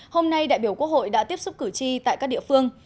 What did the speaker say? hôm nay đại biểu quốc hội đã tiếp xúc cử tri tại các địa phương